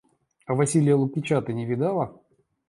А Василия Лукича ты не видала?